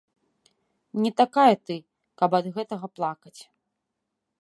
Не такая ты, каб ад гэтага плакаць.